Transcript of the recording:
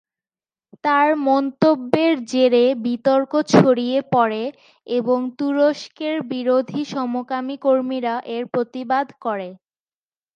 তার মন্তব্যের জেরে বিতর্ক ছড়িয়ে পড়ে এবং তুরস্কের বিরোধী-সমকামী কর্মীরা এর প্রতিবাদ করে।